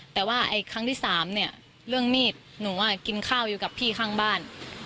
แต่ว่าครั้งที่สามเนี่ยเรื่องมีดหนูกินข้าวอยู่กับพี่ข้างบ้าน